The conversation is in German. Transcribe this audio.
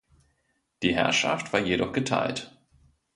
Die Herrschaft war jedoch geteilt.